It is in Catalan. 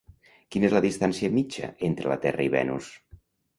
Quina és la distància mitja entre la Terra i Venus?